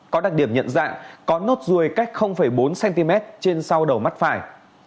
có đặc điểm nhận dạng có nốt ruồi cách bốn cm trên sau đầu mắt phải